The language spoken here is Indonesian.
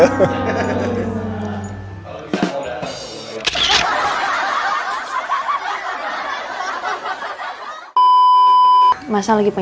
kalau bisa aku datang